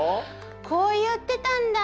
こう言ってたんだ！